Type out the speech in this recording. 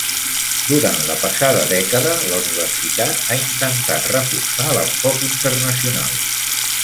Durant la passada dècada, la universitat ha intentat reforçar l'enfoc internacional.